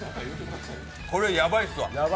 これ、ヤバいっすわ。